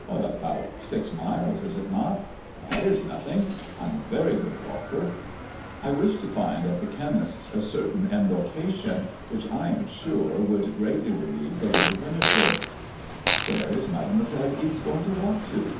'* ''About six miles, is it not? That is nothing. I am a very good walker. I wish to find at the chemist's a certain embro cation, which I am sure would greatly relieve the little Wini "Where is Mademoiselle Ize going to walk to